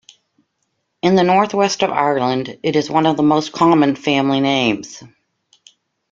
In the northwest of Ireland it is one of the most common family names.